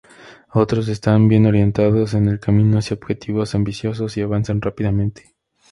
Otros están bien orientados en el camino hacia objetivos ambiciosos, y avanzan rápidamente.